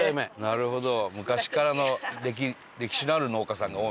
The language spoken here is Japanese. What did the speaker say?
なるほど。